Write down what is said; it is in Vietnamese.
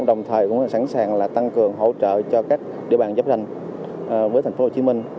đồng thời cũng sẵn sàng tăng cường hỗ trợ cho các địa bàn giáp rành với tp hcm